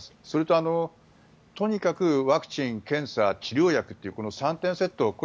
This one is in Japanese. それととにかくワクチン、検査、治療薬というこの３点セット